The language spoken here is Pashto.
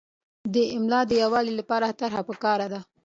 د املاء د یووالي لپاره طرحه پکار ده.